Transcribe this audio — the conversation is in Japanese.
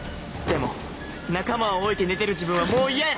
でも仲間を置いて寝てる自分はもう嫌や！